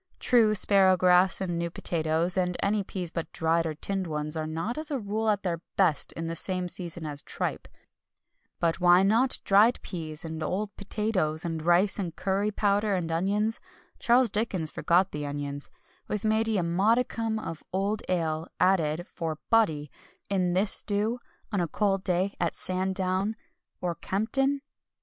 True, sparrowgrass and new potatoes, and any peas but dried or tinned ones are not as a rule at their best in the same season as tripe; but why not dried peas, and old potatoes, and rice, and curry powder, and onions Charles Dickens forgot the onions with, maybe, a modicum of old ale added, for "body" in this stew, on a cold day at Sandown or Kempton?